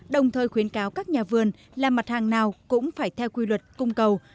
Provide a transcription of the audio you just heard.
đồng thời khuyến cáo các nhà vườn là mặt hàng nào cũng phải theo quy luật cung cầu